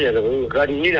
giờ gần như là